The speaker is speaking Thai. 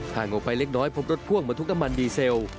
ห่างออกไปเล็กน้อยพบรถพ่วงมาทุกน้ำมันดีเซล